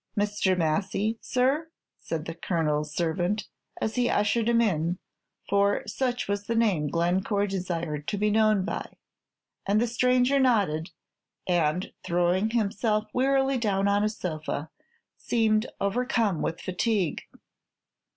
"Mr. Massy, sir?" said the Colonel's servant, as he ushered him in; for such was the name Glencore desired to be known by. And the stranger nodded, and throwing himself wearily down on a sofa, seemed overcome with fatigue.